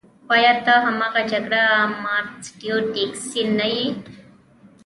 خو ایا ته هماغه جګړه مار سټیو ډیکسي نه یې